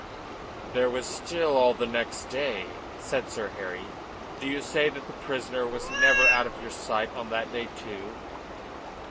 "There was still all of the next day," said Sir Harry. "Do you say that the prisoner was never out of your sight on that day too?"